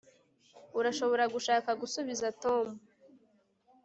urashobora gushaka gusubiza tom